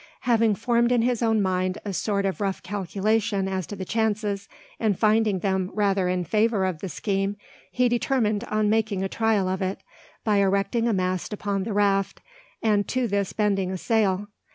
Having formed in his own mind a sort of rough calculation as to the chances, and finding them rather in favour of the scheme, he determined on making trial of it, by erecting a mast upon the raft, and to this bending a sail.